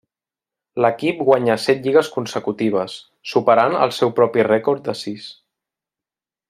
L'equip guanyà set lligues consecutives, superant el seu propi rècord de sis.